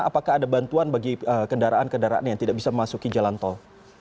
apakah ada bantuan bagi kendaraan kendaraan yang tidak bisa memasuki jalan tol